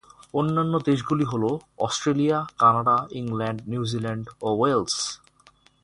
অন্যান্য দেশগুলি হল অস্ট্রেলিয়া, কানাডা, ইংল্যান্ড, নিউজিল্যান্ড ও ওয়েলস।